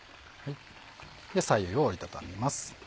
左右を折り畳みます。